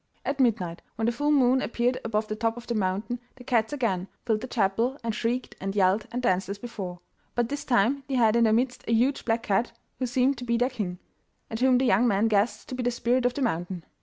At midnight, when the full moon appeared above the top of the mountain, the cats again filled the chapel and shrieked and yelled and danced as before. But this time they had in their midst a huge black cat who seemed to be their king, and whom the young man guessed to be the Spirit of the Mountain.